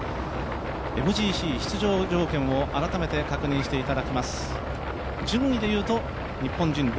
ＭＧＣ出場条件を改めて確認していただきます。